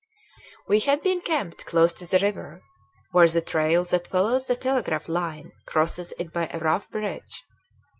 We had been camped close to the river, where the trail that follows the telegraph line crosses it by a rough bridge.